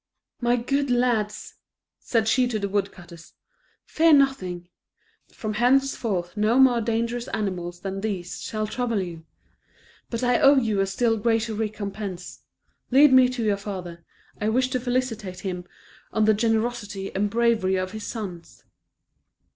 "My good lads," said she to the woodcutters, "fear nothing. From henceforth no more dangerous animals than these shall trouble you. But I owe you a still greater recompense; lead me to your father; I wish to felicitate him on the generosity and bravery of his sons."